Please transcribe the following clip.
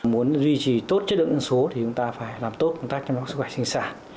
muốn duy trì tốt chất lượng dân số thì chúng ta phải làm tốt công tác chăm sóc sức khỏe sinh sản